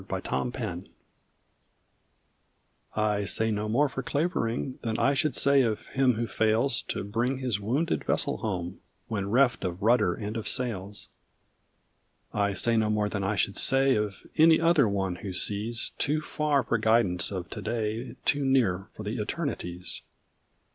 V |49| CLAVERING I say no more for Clavering Than I should say of him who faUs To bring his wounded vessel home When reft of rudder and of sails; I say no more than I should say Of any other one who sees Too far for guidance of to day. Too near for the eternities.